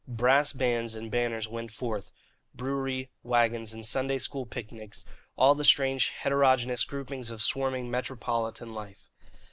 Brass bands and banners went forth, brewery wagons and Sunday school picnics all the strange heterogeneous groupings of swarming metropolitan life.